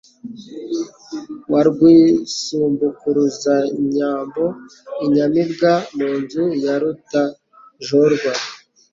Wa Rwisumbukuruzanyambo, Inyamibwa mu nzu ya Rutajorwa,